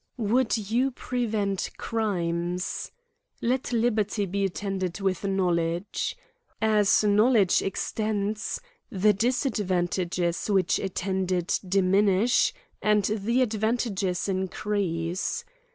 WOULD you prevent crimes ? Let liberty be attended with knowledge. As knowledge ex tends, the disadvantages which attend it diminish and the advantages increase.